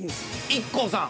ＩＫＫＯさん。